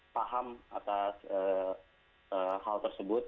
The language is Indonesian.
paham atas hal tersebut